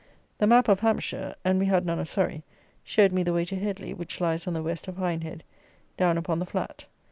The map of Hampshire (and we had none of Surrey) showed me the way to Headley, which lies on the West of Hindhead, down upon the flat.